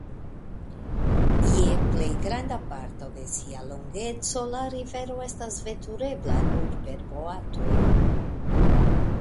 Je plej granda parto de sia longeco la rivero estas veturebla nur per boatoj.